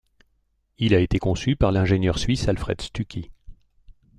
Il a été conçu par l'ingénieur suisse Alfred Stucky.